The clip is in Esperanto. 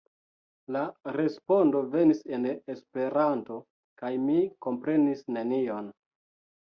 La respondo venis en Esperanto kaj mi komprenis nenion.